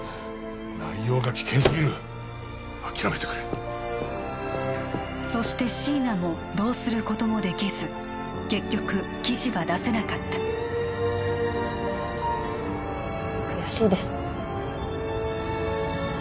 内容が危険すぎる諦めてくれそして椎名もどうすることもできず結局記事は出せなかった悔しいです